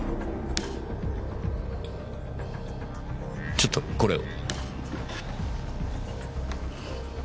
ちょっとこれを。